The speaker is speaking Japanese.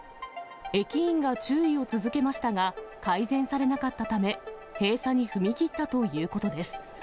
駅員が注意を続けましたが、改善されなかったため、閉鎖に踏み切ったということです。